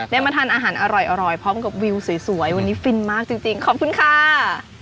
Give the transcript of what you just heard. มาทานอาหารอร่อยพร้อมกับวิวสวยวันนี้ฟินมากจริงขอบคุณค่ะ